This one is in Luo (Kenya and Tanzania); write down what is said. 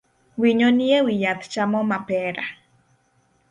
Winyo ni ewi yath chamo mapera